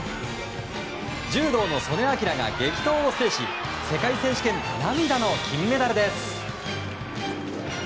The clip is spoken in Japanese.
柔道の素根輝が激闘を制し世界選手権、涙の金メダルです。